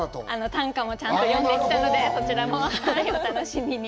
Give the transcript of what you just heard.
短歌もちゃんと詠んできたので、そちらもお楽しみに。